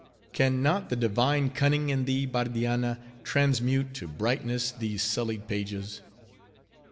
Can not the divine cunning in thee, Bardianna, transmute to brightness these sullied pages?